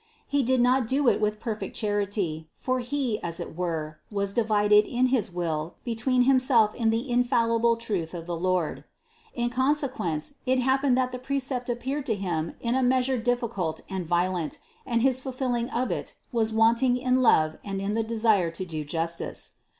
He did not do it with perfect char ity, for he, as it were, was divided in his will between himself and the infallible truth of the Lord. In conse quence it happened that the precept appeared to him in a measure difficult and violent, and his fulfilling of it was wanting in love and in the desire to do justice.